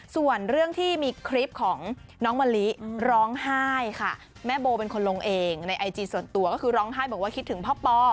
ส่วนเรื่องที่มีคลิปของน้องมะลิร้องไห้ค่ะแม่โบเป็นคนลงเองในไอจีส่วนตัวก็คือร้องไห้บอกว่าคิดถึงพ่อปอ